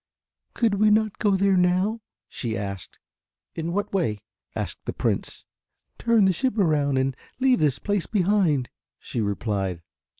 "Could we not go there now?" asked she. "In what way?" asked the Prince. "Turn the ship round and leave this place behind," she replied.